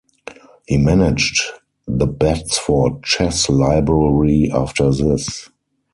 He managed the Batsford Chess Library after this.